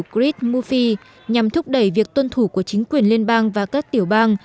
chris moofi nhằm thúc đẩy việc tuân thủ của chính quyền liên bang và các tiểu bang